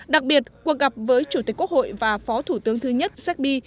đặc biệt cuộc gặp với chủ tịch quốc hội và phó thủ tướng thứ nhất séc bi